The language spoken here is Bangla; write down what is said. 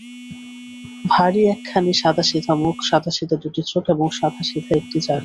ভারি একখানি সাদাসিধা মুখ, সাদাসিধা দুটি চোখ, এবং সাদাসিধা একটি শাড়ি।